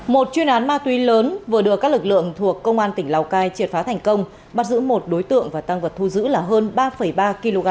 một chuyên án ma túy lớn vừa được các lực lượng thuộc công an tỉnh lào cai triệt phá thành công bắt giữ một đối tượng và tăng vật thu giữ là hơn ba ba kg